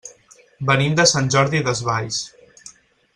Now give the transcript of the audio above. Venim de Sant Jordi Desvalls.